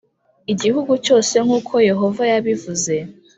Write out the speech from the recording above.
igihugu cyose nk uko Yehova yabivuze